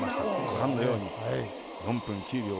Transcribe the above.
ご覧のように４分９秒２９。